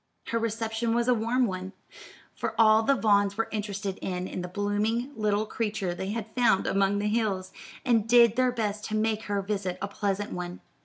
Her reception was a warm one, for all the Vaughns were interested in the blooming little creature they had found among the hills, and did their best to make her visit a pleasant one.